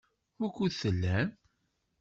Wukud tellam?